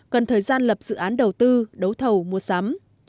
cần thời gian lập dự án đầu tư đấu thầu mua sắm